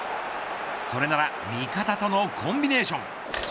それなら味方とのコンビネーション。